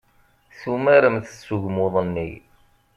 Tumaremt s ugmuḍ-nni.